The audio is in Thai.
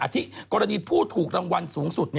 ที่กรณีผู้ถูกรางวัลสูงสุด